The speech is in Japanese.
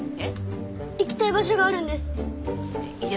行きたい場所があるんですいや